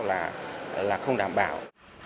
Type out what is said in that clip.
là không đảm bảo